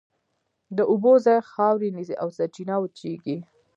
د اوبو ځای خاورې نیسي او سرچینه وچېږي.